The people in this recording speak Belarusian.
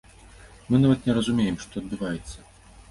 Мы нават не зразумеем, што адбываецца.